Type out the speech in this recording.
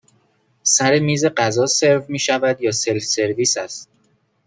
سر میز غذا سرو می شود یا سلف سرویس هست؟